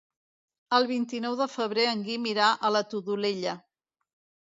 El vint-i-nou de febrer en Guim irà a la Todolella.